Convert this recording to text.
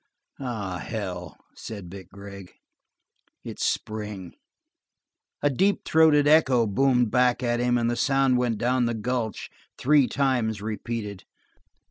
"Aw, hell," said Vic Gregg, "it's spring." A deep throated echo boomed back at him, and the sound went down the gulch, three times repeated.